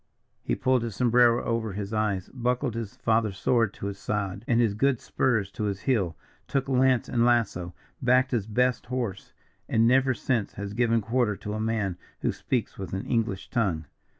He pulled his sombrero over his eyes, buckled his father's sword to his side, and his good spurs to his heel, took lance and lasso, backed his best horse, and never since has given quarter to a man who speaks with an English tongue.